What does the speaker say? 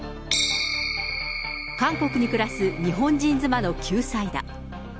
韓国に暮らす日本人妻の救済だ。